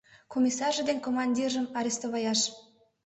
Комиссарже ден командиржым арестоваяш.